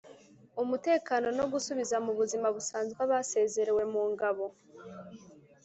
umutekano no gusubiza mu buzima busanzwe abasezerewe mu ngabo